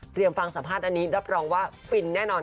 ฟังสัมภาษณ์อันนี้รับรองว่าฟินแน่นอน